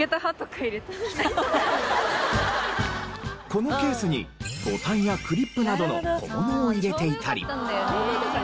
このケースにボタンやクリップなどの小物を入れていたり。